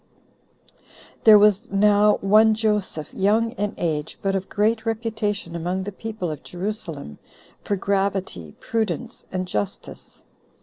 2. There was now one Joseph, young in age, but of great reputation among the people of Jerusalem, for gravity, prudence, and justice.